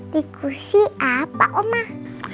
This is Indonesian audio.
diskusi apa omah